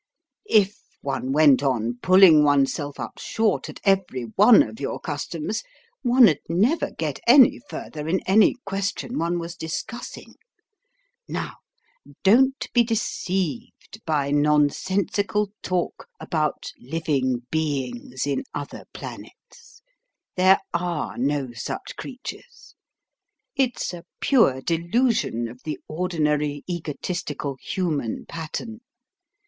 If one went on pulling oneself up short at every one of your customs, one'd never get any further in any question one was discussing. Now, don't be deceived by nonsensical talk about living beings in other planets. There are no such creatures. It's a pure delusion of the ordinary egotistical human pattern.